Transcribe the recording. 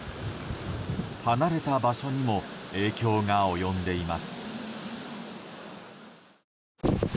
離れた場所にも影響が及んでいます。